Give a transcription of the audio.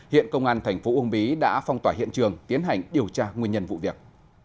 hiện công an thành phố uông bí đã phong tỏa hiện trường tiến hành điều tra nguyên nhân vụ việc